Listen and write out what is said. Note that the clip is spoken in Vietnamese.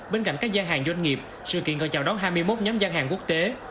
bên cạnh các gian hàng doanh nghiệp sự kiện còn chào đón hai mươi một nhóm gian hàng quốc tế